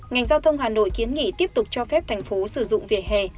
ngành giao thông hà nội kiến nghị tiếp tục cho phép thành phố sử dụng vỉa hè